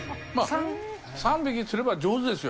３匹釣れば上手ですよ。